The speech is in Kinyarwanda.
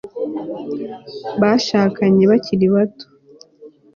Bashakanye bakiri bato